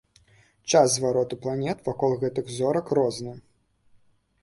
Час звароту планет вакол гэтых зорак розны.